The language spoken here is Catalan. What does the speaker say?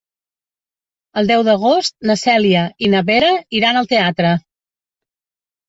El deu d'agost na Cèlia i na Vera iran al teatre.